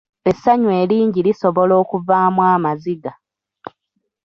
Essanyu eringi lisobola okuvaamu amaziga.